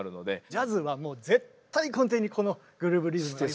ジャズはもう絶対根底にこのグルーブリズムがありますね。